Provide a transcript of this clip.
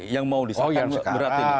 yang mau diselesaikan berarti